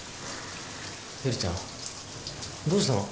ゆりちゃんどうしたの？